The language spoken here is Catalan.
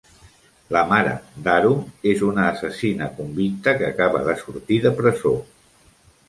La mare d'Haru és una assassina convicta que acaba de sortir de presó.